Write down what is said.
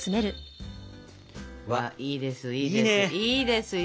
いいですいいですいいですよ。